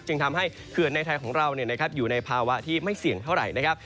จึงทำให้เขื่อนในไทยของเราอยู่ในภาวะที่ไม่เสี่ยงเท่าไหร่นะครับ